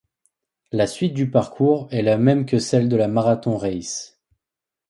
La suite du parcours est la même que celle de la Marathon-Race.